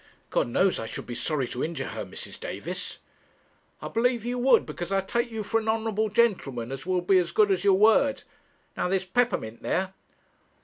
'God knows I should be sorry to injure her, Mrs. Davis.' 'I believe you would, because I take you for an honourable gentleman as will be as good as your word. Now, there's Peppermint there.'